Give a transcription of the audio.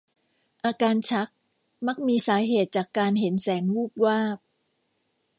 อาการชักมักมีสาเหตุจากการเห็นแสงวูบวาบ